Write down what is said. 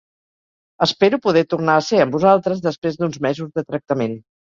Espero poder tornar a ser amb vosaltres després d’uns mesos de tractament.